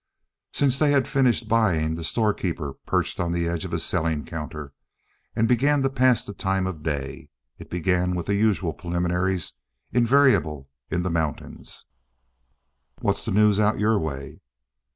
Since they had finished buying, the storekeeper perched on the edge of his selling counter and began to pass the time of the day. It began with the usual preliminaries, invariable in the mountains. "What's the news out your way?"